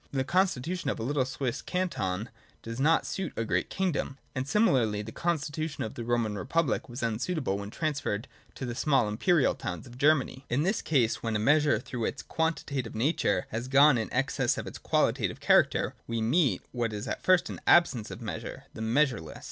The constitution of a little Swiss 204 THE DOCTRINE OF BEING. [108 110. canton does not suit a great kingdom ; and, similarly, tlie constitution of the Roman republic was unsuitable when transferred to the small imperial towns of Germany. 109.] In this second case, when a measure through its quantitative nature has gone in excess of its qualita tive character, we meet, what is at first an absence of measure, the Measureless.